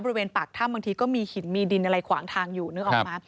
บริเวณปากถ้ำบางทีก็มีหินมีดินอะไรขวางทางอยู่นึกออกมา